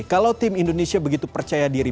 kalau tim indonesia begitu percaya diri